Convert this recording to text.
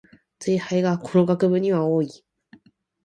ツイ廃がこの学部には多い